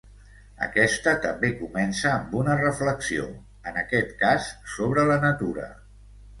Aquesta també comença amb una reflexió, en aquest cas sobre la natura.